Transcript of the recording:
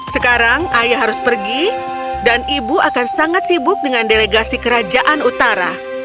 sekarang ayah harus pergi dan ibu akan sangat sibuk dengan delegasi kerajaan utara